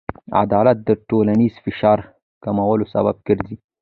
عدالت د ټولنیز فشار کمولو سبب ګرځي.